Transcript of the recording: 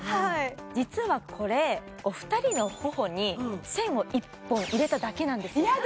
実はこれお二人の頬に線を１本入れただけなんですやだ